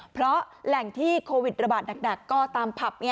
เพราะแหล่งที่โควิดระบาดหนักก็ตามผับ